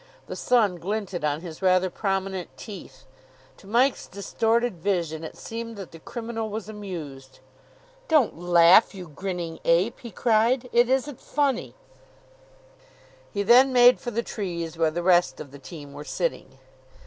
The sun glinted on his rather prominent teeth. To Mike's distorted vision it seemed that the criminal was amused. "Don't laugh, you grinning ape!" he cried. "It isn't funny." [Illustration: "DON'T LAUGH, YOU GRINNING APE"] He then made for the trees where the rest of the team were sitting.